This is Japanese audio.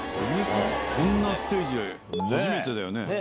こんなステージ、初めてだよね。